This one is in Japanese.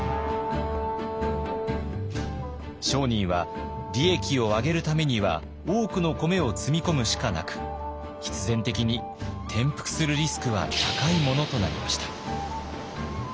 商人は利益を上げるためには多くの米を積み込むしかなく必然的に転覆するリスクは高いものとなりました。